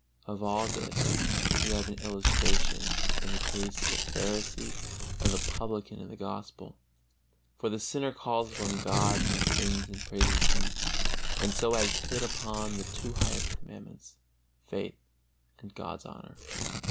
Of all this we have an illustration in the case of the Pharisee and the Publican in the Gospel. For the sinner calls upon God in his sins, and praises Him, and so has hit upon the two highest Commandments, faith and God's honor.